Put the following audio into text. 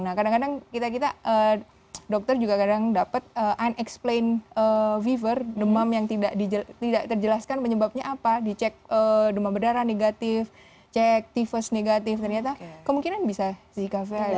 nah kadang kadang kita kita dokter juga kadang dapat demam yang tidak terjelaskan penyebabnya apa dicek demam berdarah negatif cek tifus negatif ternyata kemungkinan bisa zika vari